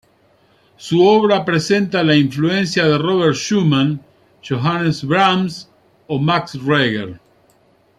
Su obra presenta la influencia de Robert Schumann, Johannes Brahms o Max Reger.